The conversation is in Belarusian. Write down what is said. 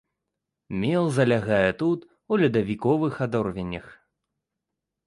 Мел залягае тут у ледавіковых адорвенях.